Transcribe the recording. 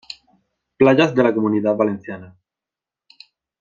Playas de la Comunidad Valenciana